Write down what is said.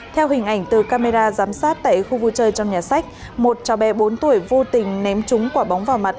theo hình ảnh từ camera giám sát tại khu vui chơi trong nhà sách một cháu bé bốn tuổi vô tình ném trúng quả bóng vào mặt